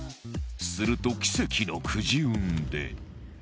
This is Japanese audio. すると奇跡のくじ運で